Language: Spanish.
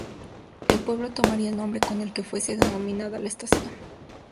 El pueblo tomaría el nombre con el que fuese denominada la estación.